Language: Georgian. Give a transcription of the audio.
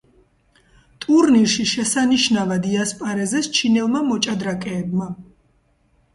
ტურნირში შესანიშნავად იასპარეზეს ჩინელმა მოჭადრაკეებმა.